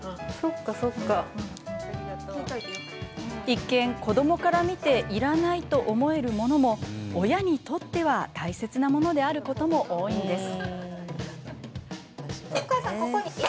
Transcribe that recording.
一見、子どもから見ていらないと思えるものも親にとっては大切なものであることも多いんです。